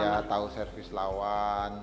ya tau servis lawan